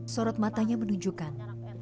sorot matanya menunjukkan